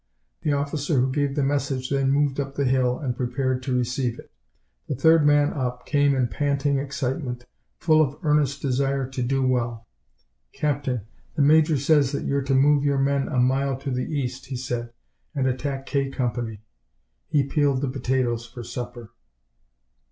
The officer who gave the message then moved up the hill and prepared to receive it. The third man up came in panting excitement, full of earnest desire to do well. "Captain, the major says that you're to move your men a mile to the east," he said, "and attack K Company." He peeled the potatoes for supper.